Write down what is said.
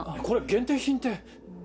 これ限定品って。